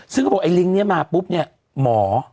ซึ่งบอกไอ้ลิงเนี่ยมาปุ๊บเนี่ยหมอ